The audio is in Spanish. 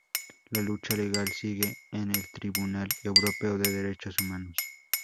La lucha legal sigue en el Tribunal Europeo de Derechos Humanos.